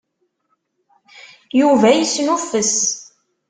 Yuba yesnuffes.